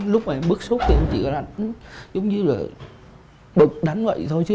lúc mà em bức xúc thì em chỉ là giống như là bực đánh vậy thôi chứ